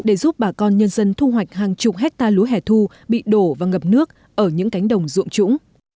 để giúp bà con nhân dân thu hoạch hàng chục hectare lúa hẻ thu bị đổ và ngập nước ở những cánh đồng ruộng trũng